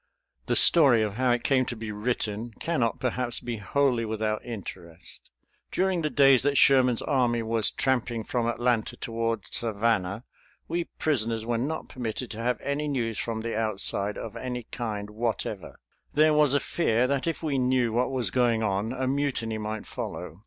The story of how it came to be written cannot perhaps be wholly without interest. During the days that Sherman's army was tramping from Atlanta toward Savannah we prisoners were not permitted to have any news from the outside of any kind whatever. There was a fear that if we knew what was going on a mutiny might follow.